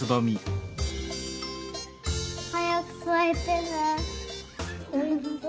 はやくさいてね。